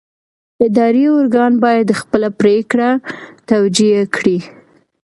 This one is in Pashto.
اداري ارګان باید خپله پرېکړه توجیه کړي.